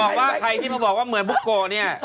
ต้องกลับว่าใครที่ไม่จะบอกเหมือนปุ๊โกเนี่ย